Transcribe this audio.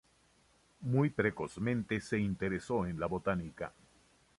Muy precozmente se interesó en la botánica.